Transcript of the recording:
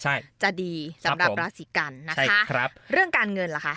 ใช่จะดีสำหรับราศีกันนะคะครับเรื่องการเงินล่ะคะ